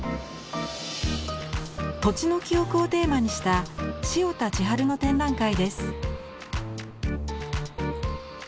「土地の記憶」をテーマにした塩田千春の展覧会です。